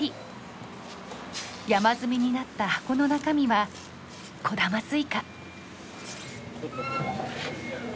山積みになった箱の中身は小玉スイカ。